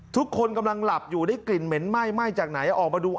ทุกคนกำลังหลับอยู่ได้กลิ่นเหม็นไหม้ไหม้จากไหนออกมาดู